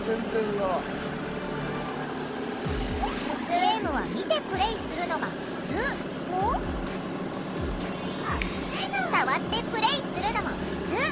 「ゲームは見てプレーするのがふつう」を「触ってプレーするのもふつう」にアップデート！